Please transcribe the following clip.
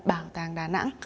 bảo tàng đà nẵng